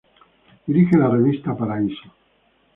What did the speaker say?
Dirige la revista "Paraíso".